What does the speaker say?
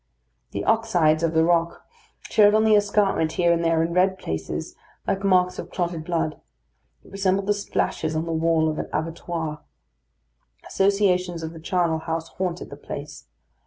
The oxydes of the rock showed on the escarpment here and there in red places, like marks of clotted blood; it resembled the splashes on the walls of an abattoir. Associations of the charnel house haunted the place.